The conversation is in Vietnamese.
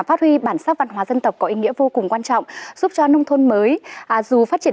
phát huy bản sắc văn hóa dân tộc có ý nghĩa vô cùng quan trọng giúp cho nông thôn mới dù phát triển